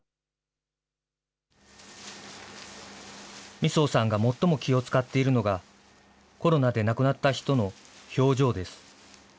三宗さんが最も気を遣っているのがコロナで亡くなった人の表情です。